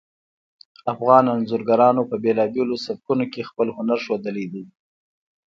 افغان انځورګرانو په بیلابیلو سبکونو کې خپل هنر ښودلی ده